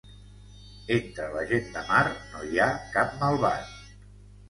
Entre la gent de mar no hi ha cap malvat.